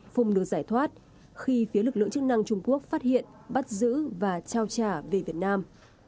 phùng được giải thoát khi phía lực lượng chức năng trung quốc phát hiện bắt giữ và trao trả về việt nam